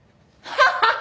ハハハ。